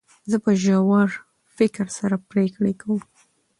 زه په ژور فکر سره پرېکړي کوم.